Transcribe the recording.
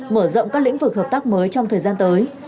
mở rộng các lĩnh vực hợp tác mới trong thời gian tới